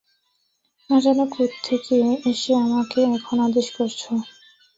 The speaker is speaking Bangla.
আচানক কোত্থেকে এসে আমাকে এখন আদেশ করছ!